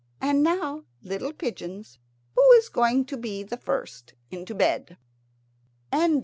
And now, little pigeons, who is going to be first into bed?" SADKO.